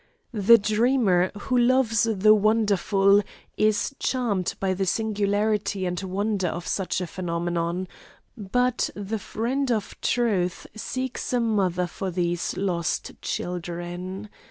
The dreamer, who loves the wonderful is charmed by the singularity and wonder of such a phenomenon; but the friend of truth seeks a mother for these lost children.